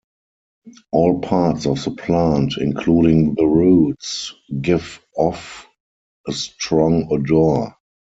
All parts of the plant, including the roots, give off a strong odour.